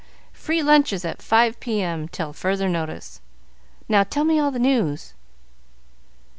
Free lunches at 5 P.M. till further notice. Now tell me all the news."